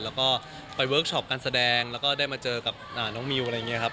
แล้วก็ไปเวิร์คชอปการแสดงแล้วก็ได้มาเจอกับน้องมิวอะไรอย่างนี้ครับ